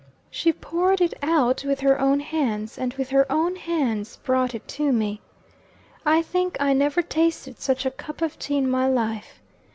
She poured it out with her own hands, and with her own hands brought it to me. I think I never tasted such a cup of tea in my life.